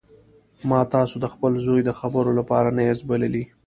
ما تاسو د خپل زوی د خبرو لپاره نه یاست بللي